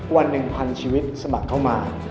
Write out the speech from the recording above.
วันหนึ่งพันชีวิตสมัครเข้ามา